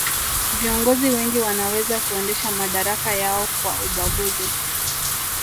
viongozi wengi wanaweza kuendesha madaraka yao kwa ubaguzi